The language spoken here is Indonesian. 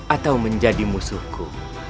atau menjadi musuhku